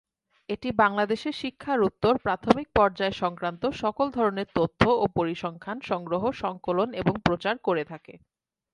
এটি বাংলাদেশে শিক্ষার উত্তর প্রাথমিক পর্যায় সংক্রান্ত সকল ধরনের তথ্য ও পরিসংখ্যান সংগ্রহ, সঙ্কলন এবং প্রচার করে থাকে।